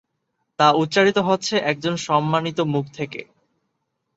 তা উচ্চারিত হচ্ছে একজন সম্মানিত মুখ থেকে।